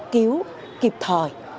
cứu kịp thời